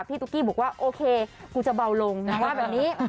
ตุ๊กกี้บอกว่าโอเคกูจะเบาลงนางว่าแบบนี้